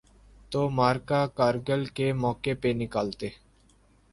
تو معرکہ کارگل کے موقع پہ نکالتے۔